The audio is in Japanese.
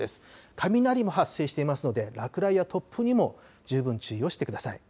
雷も発生していますので落雷や突風にも十分注意をしてください。